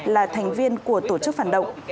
là thành viên của tổ chức phản động